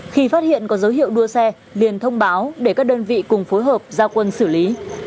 khi phát hiện có dấu hiệu đua xe liền thông báo để các đơn vị cùng phối hợp gia quân xử lý